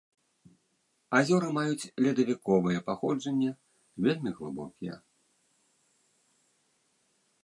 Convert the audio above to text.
Азёры маюць ледавіковае паходжанне, вельмі глыбокія.